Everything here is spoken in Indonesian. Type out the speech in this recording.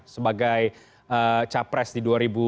sebagai capres di dua ribu dua puluh